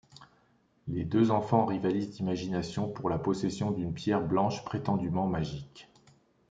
Les deux enfants rivalisent d’imagination pour la possession d’une pierre blanche prétendument magique.